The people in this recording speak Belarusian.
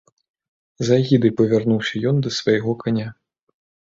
З агідай павярнуўся ён да свайго каня.